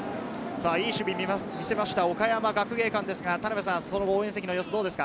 いい守備を見せました岡山学芸館ですが、応援席はどうですか？